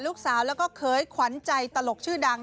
ลูกสาวแล้วก็เคยขวัญใจตลกชื่อดัง